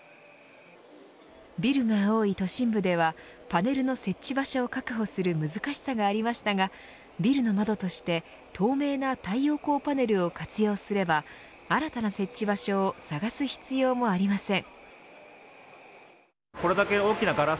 ビルが多い都心部ではパネルの設置場所を確保する難しさがありましたがビルの窓として透明な太陽光パネルを活用すれば新たな設置場所を探す必要もありません。